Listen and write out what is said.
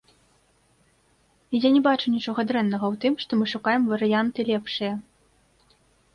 І я не бачу нічога дрэннага ў тым, што мы шукаем варыянты лепшыя.